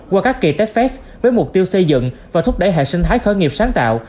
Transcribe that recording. qua các kỳ techfest với mục tiêu xây dựng và thúc đẩy hệ sinh thái khởi nghiệp sáng tạo